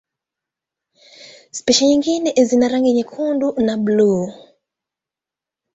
Spishi nyingine zina rangi nyekundu na buluu.